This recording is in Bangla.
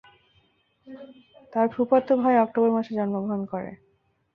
তার ফুফাতো ভাই অক্টোবর মাসে জন্মগ্রহণ করে।